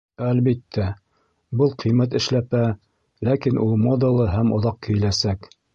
Әлбиттә, был ҡиммәт эшләпә, ләкин ул модалы һәм оҙаҡ кейеләсәк